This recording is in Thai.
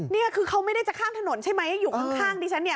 นี่คือเขาไม่ได้จะข้ามถนนใช่ไหมอยู่ข้างดิฉันเนี่ย